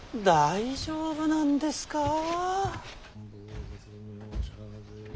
大丈夫なんですか。